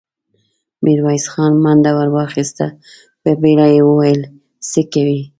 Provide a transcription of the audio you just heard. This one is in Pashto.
ميرويس خان منډه ور واخيسته، په بيړه يې وويل: څه کوئ!